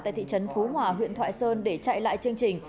tại thị trấn phú hòa huyện thoại sơn để chạy lại chương trình